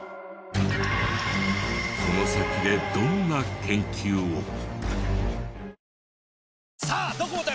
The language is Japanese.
この先でどんな研究を？